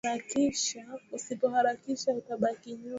Usipo harakisha utabaki nyuma